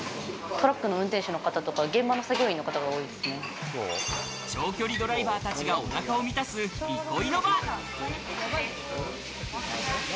トラックの運転手の方とか現長距離ドライバーたちがお腹を満たす憩いの場。